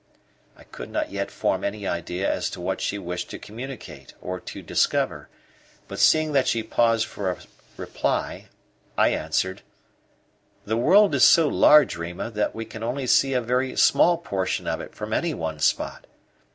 I could not yet form any idea as to what she wished to communicate or to discover, but seeing that she paused for a reply, I answered: "The world is so large, Rima, that we can only see a very small portion of it from any one spot.